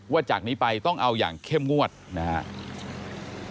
จากนี้ไปต้องเอาอย่างเข้มงวดนะครับ